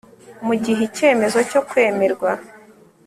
mu gihe icyemezo cyo kwemerwa